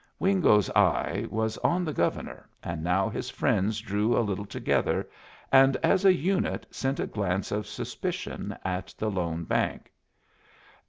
Wingo's eye was on the Governor, and now his friends drew a little together, and as a unit sent a glance of suspicion at the lone bank.